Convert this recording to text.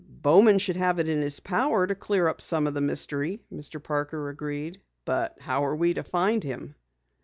"Bowman should have it in his power to clear up some of the mystery," Mr. Parker agreed. "But how are we to find him?"